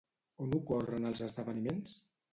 On ocorren els esdeveniments?